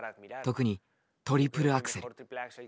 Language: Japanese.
特にトリプルアクセル。